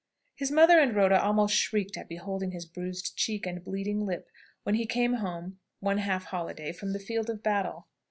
His mother and Rhoda almost shrieked at beholding his bruised cheek, and bleeding lip, when he came home one half holiday, from the field of battle.